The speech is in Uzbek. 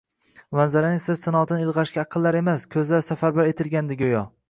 manzaraning sir-sinoatini ilg‘ashga aqllar emas – ko‘zlar safarbar etilgandi go‘yo.